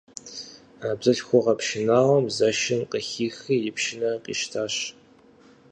Бзылъхугъэ пшынауэм Зэшым къыхихри и пшынэр къищтащ.